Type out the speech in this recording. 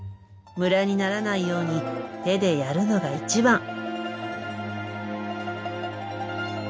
むらにならないように手でやるのが一番。